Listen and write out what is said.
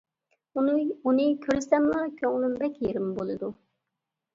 ئۇنى كۆرسەملا كۆڭلۈم بەك يېرىم بولىدۇ.